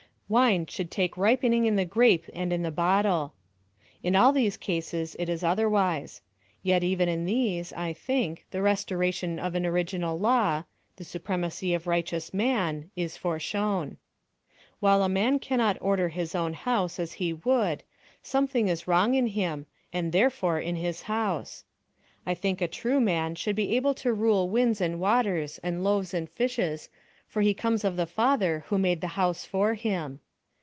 Wine should take ripening in the grape and in the bottle. In all these cases it is otherwise. Yet even in these, I think, the restoration of an original law the supremacy of righteous man, is foreshown. While a man cannot order his own house as he would, something is wrong in him, and therefore in his house. I think a true man should be able to rule winds and waters and loaves and fishes, for he comes of the Father who made the house for him.